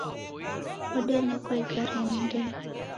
Odenekwa igare ni ndee.